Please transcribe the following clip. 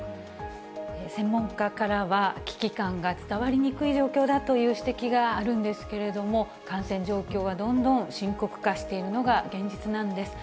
専門家からは、危機感が伝わりにくい状況だという指摘があるんですけれども、感染状況はどんどん深刻化しているのが現実なんです。